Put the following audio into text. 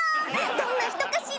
どんな人かしら？